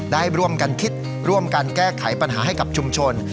ได้ร่วมกันคิดร่วมกันแก้ไขปัญหาให้กับชุมชน